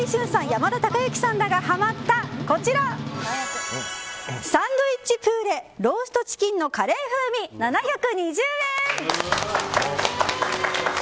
山田孝之さんらがハマったサンドイッチプーレローストチキンのカレー風味７２０円。